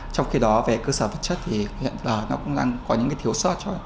trong khi đó về cơ sở vật chất thì hiện giờ nó cũng đang có những thiếu sót